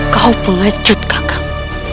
kau pengecut kang kang